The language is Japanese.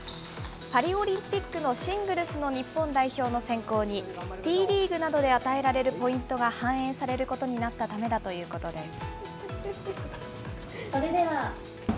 パリオリンピックのシングルスの日本代表の選考に、Ｔリーグなどで与えられるポイントが反映されることになったためだということです。